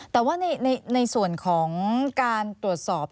แต่ว่าในส่วนของการตรวจสอบ